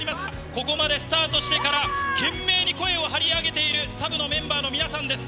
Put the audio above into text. ここまでスタートしてから、懸命に声を張り上げているサブのメンバーの皆さんです。